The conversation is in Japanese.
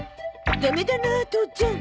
ダメだな父ちゃん。